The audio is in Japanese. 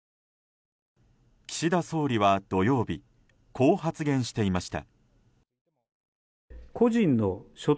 岸田総理は土曜日、こう発言していました。